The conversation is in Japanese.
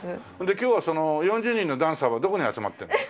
今日はその４０人のダンサーはどこに集まってるの？